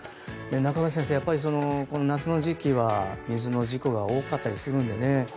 中林先生、この夏の時期は水の事故が多かったりするのでね。